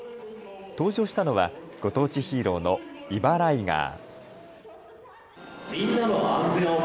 登場したのはご当地ヒーローのイバライガー。